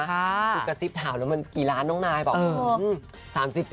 ก็กระจิบถามแล้วมันกี่ล้านน้องนายบอก๓๐๔๐อ่ะ